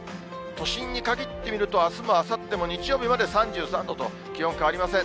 都心に限って見るとあすもあさっても日曜日まで３３度と、気温、変わりません。